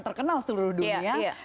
terkenal seluruh dunia